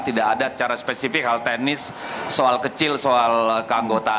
tidak ada secara spesifik hal teknis soal kecil soal keanggotaan